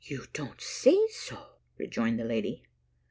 "You don't say so?" rejoined the lady.